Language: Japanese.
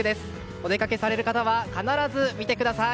お出かけされる方は必ず見てください。